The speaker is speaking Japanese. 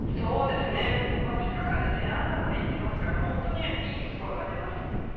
２日間で１０アンダーまでいっていますから本当にいいスコアが出ます。